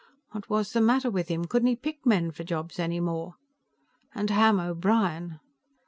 What was the matter with him; couldn't he pick men for jobs any more? And Ham O'Brien!